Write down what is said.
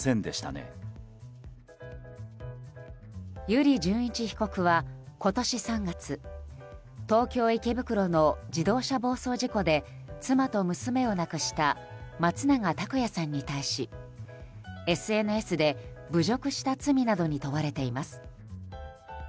油利潤一被告は、今年３月東京・池袋の自動車暴走事故で妻と娘を亡くした松永拓也さんに対しＳＮＳで侮辱した罪などに問われています。